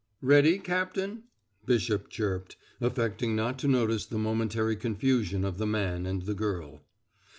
"Ready, Captain?" Bishop chirped, affecting not to notice the momentary confusion of the man and the girl.